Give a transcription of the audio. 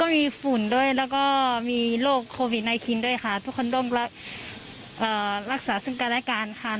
ก็มีฝั่วโหลกโควิดไนกินด้วยถ้าค้นต้มแล้วรักษาเศร้าการและกาล